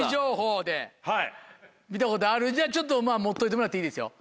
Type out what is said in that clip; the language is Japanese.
じゃあ持っといてもらっていいですよ